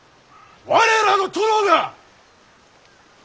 我らの殿が！